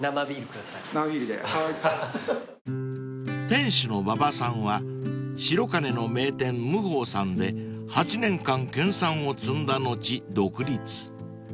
［店主の馬場さんは白金の名店夢呆さんで８年間研さんを積んだ後独立］